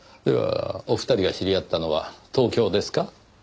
ではお二人が知り合ったのは東京ですか？